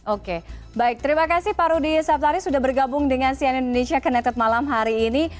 oke baik terima kasih pak rudi saptari sudah bergabung dengan sian indonesia connected malam hari ini